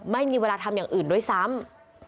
ไม่มีเวลาทำอย่างอื่นด้วยซ้ำ